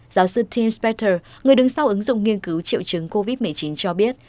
giáo sư tim spetter người đứng sau ứng dụng nghiên cứu triệu chứng covid một mươi chín cho biết